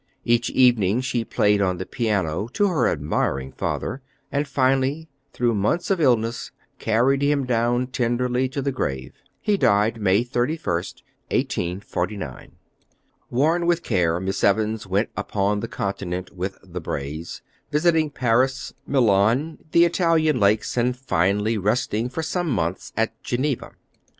Each evening she played on the piano to her admiring father, and finally, through months of illness, carried him down tenderly to the grave. He died May 31, 1849. Worn with care, Miss Evans went upon the Continent with the Brays, visiting Paris, Milan, the Italian lakes, and finally resting for some months at Geneva'.